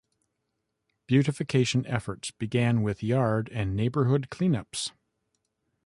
Beautification efforts began with yard and neighborhood cleanups.